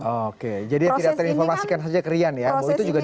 oke jadi yang tidak terinformasikan saja ke rian ya